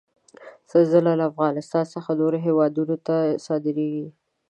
سنځله له افغانستان څخه نورو هېوادونو ته صادرېږي.